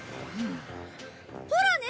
ほらね